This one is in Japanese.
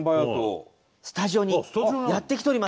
スタジオにやって来ております。